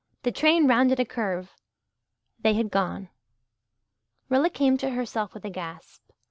the train rounded a curve. They had gone. Rilla came to herself with a gasp.